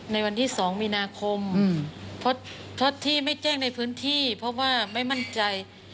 ในวันที่๒มีนาคมเพราะที่ไม่แจ้งในพื้นที่เพราะว่าไม่มั่นใจ